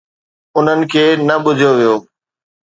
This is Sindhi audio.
انهن کي نه ٻڌو ويو.